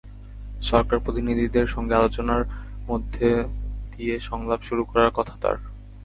সরকারি প্রতিনিধিদের সঙ্গে আলোচনার মধ্য দিয়ে সংলাপ শুরু করার কথা তাঁর।